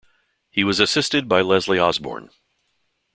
He was assisted by Leslie Osborne.